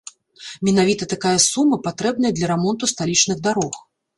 Менавіта такая сума патрэбная для рамонту сталічных дарог.